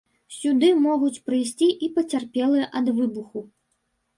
Сюды могуць прыйсці і пацярпелыя ад выбуху.